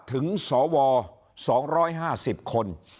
ถึงสว๒๕๐คน